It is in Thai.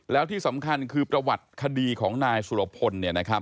แล้วที่สำคัญคือประวัติคดีของนายสุรพล